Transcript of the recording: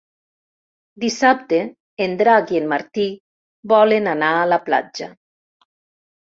Dissabte en Drac i en Martí volen anar a la platja.